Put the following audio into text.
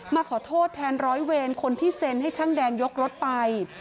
มาขอโทษแทนร้อยเวรคนที่เซ็นให้ช่างแดงยกรถไป